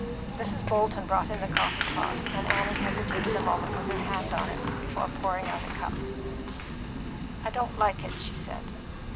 Mrs. Bolton brought in the coffee pot, and Annie hesitated a moment, with her hand on it, before pouring out a cup. "I don't like it," she said.